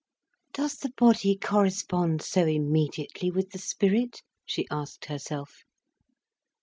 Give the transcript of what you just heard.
"Does the body correspond so immediately with the spirit?" she asked herself.